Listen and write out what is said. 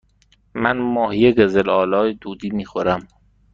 من ماهی قزل آلا دودی می خورم.